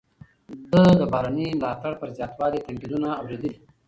ده د بهرني ملاتړ پر زیاتوالي تنقیدونه اوریدلي.